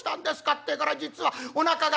ってえから『実はおなかが』。